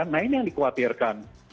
nah ini yang dikhawatirkan